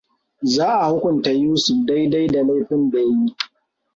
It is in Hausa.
Za a hukunta Yusuf dai-dai da laifin da ya yi.